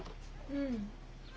うん。